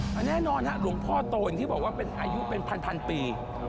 ก็แน่นอนฮะหลวงพ่อโตอย่างที่บอกว่าเป็นอายุเป็นพันปี